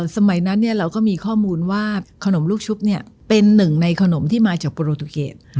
สมัยนั้นเราก็มีข้อมูลว่าขนมลูกชุบเป็นหนึ่งในขนมที่มาจากโปรตูเกต